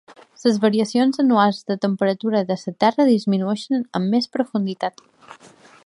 Les variacions anuals de la temperatura de la terra disminueixen amb més profunditat.